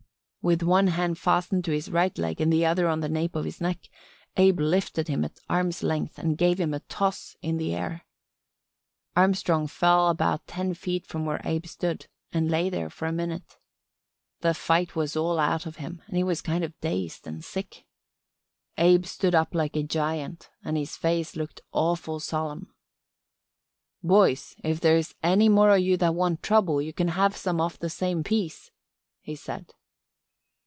With one hand fastened to his right leg and the other on the nape of his neck Abe lifted him at arm's length and gave him a toss in the air. Armstrong fell about ten feet from where Abe stood and lay there for a minute. The fight was all out of him and he was kind of dazed and sick. Abe stood up like a giant and his face looked awful solemn. "'Boys, if there's any more o' you that want trouble you can have some off the same piece,' he said.